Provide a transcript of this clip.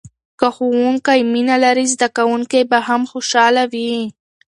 که ښوونکی مینه لري، زده کوونکی به هم خوشحاله وي.